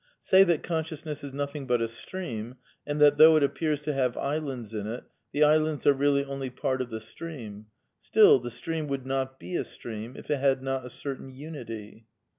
Say that con sciousness is nothing but a stream, and that though it ap pears to have islancb in it, the islands are really only part of the stream ; still the stream would not be a stream if it had not a certain unity.